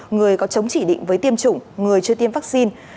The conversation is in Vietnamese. người có chống chỉ định với tiêm chủng người chưa tiêm vaccine